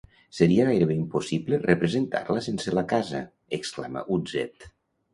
Seria gairebé impossible representar-la sense la casa!, exclama Utzet.